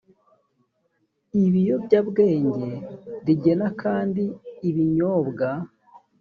ibiyobyabwenge rigena kandi ibinyobwa